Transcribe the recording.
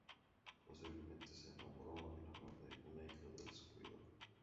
Posteriormente se nombró en honor de una hija del descubridor.